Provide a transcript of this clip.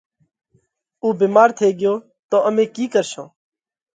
اُو ڀيمار ٿي ڳيو تو امي ڪِي ڪرشون۔